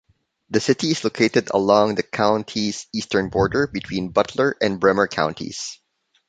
The city is located along the county's eastern border, between Butler and Bremer counties.